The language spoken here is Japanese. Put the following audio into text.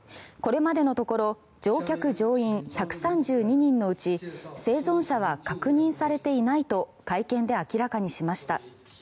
これまでのところ乗客・乗員１３２人のうち生存者は確認されていないと会見で明らかにしました。